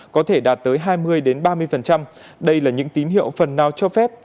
có thể đạt tới hai mươi ba mươi đây là những tín hiệu phần nào cho phép